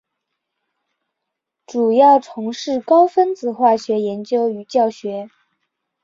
主要从事高分子化学研究与教学。